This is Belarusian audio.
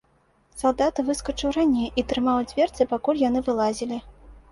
Салдат выскачыў раней і трымаў дзверцы, пакуль яны вылазілі.